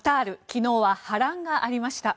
昨日は波乱がありました。